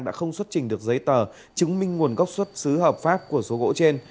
đã không xuất trình được giấy tờ chứng minh nguồn gốc xuất xứ hợp pháp của số gỗ trên